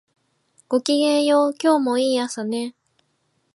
ごきげんよう、今日もいい朝ね